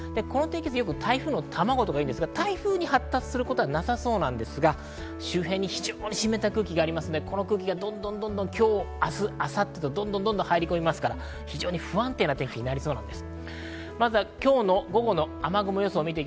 よく台風の卵というんですが、台風に発達することはなさそうですが、周辺に非常に湿った空気がありますから、今日、明日、明後日とどんどん入り込みますので非常に不安定な天気になりそうです。